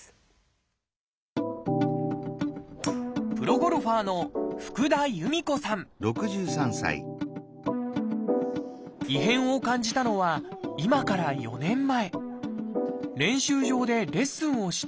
プロゴルファーの異変を感じたのは今から４年前。